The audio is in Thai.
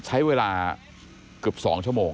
ใช้เวลาเกือบ๒ชั่วโมง